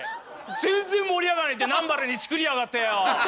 全然盛り上がらないって南原にチクりやがってよぉ！